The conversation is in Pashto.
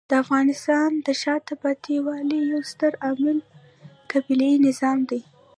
د افغانستان د شاته پاتې والي یو ستر عامل قبیلې نظام دی.